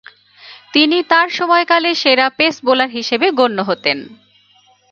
তিনি তার সময়কালে সেরা পেস বোলার হিসেবে গণ্য হতেন।